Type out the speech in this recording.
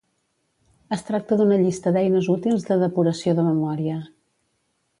Es tracta d'una llista d'eines útils de depuració de memòria.